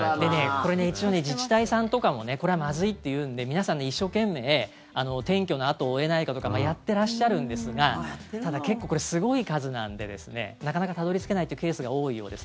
これ、一応自治体さんとかもこれはまずいというので皆さん、一生懸命転居の後を追えないかとかやってらっしゃるんですがただ、結構これすごい数なのでなかなかたどり着けないというケースが多いようです。